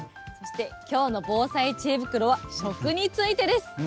そして、きょうの防災知恵袋は食についてです。